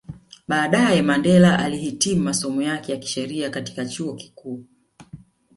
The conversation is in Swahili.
Baadae Mandela alihitimu masomo yake ya sheria katika Katika chuo kikuu